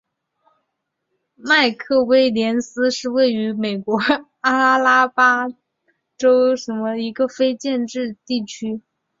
麦克威廉斯是位于美国阿拉巴马州威尔科克斯县的一个非建制地区。